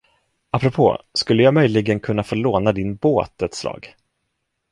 Apropå, skulle jag möjligen kunna få låna din båt ett slag.